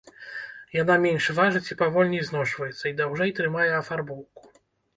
Яна менш важыць і павольней зношваецца і даўжэй трымае афарбоўку.